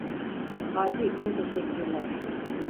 Parti için teşekkürler.